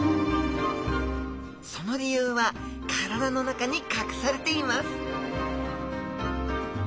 その理由は体の中に隠されています！